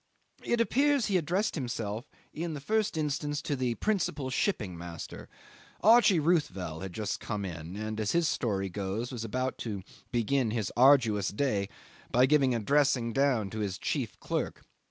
'It appears he addressed himself in the first instance to the principal shipping master. Archie Ruthvel had just come in, and, as his story goes, was about to begin his arduous day by giving a dressing down to his chief clerk.